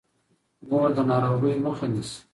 مور د ناروغۍ مخه نیسي.